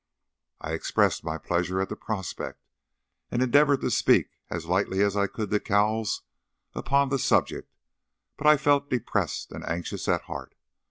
I expressed my pleasure at the prospect, and endeavoured to speak as lightly as I could to Cowles upon the subject, but I felt depressed and anxious at heart.